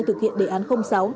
thực hiện đề án sáu